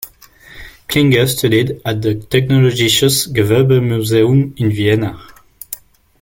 Klinger studied at the Technologisches Gewerbemuseum in Vienna.